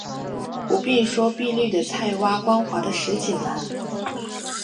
不必说碧绿的菜畦，光滑的石井栏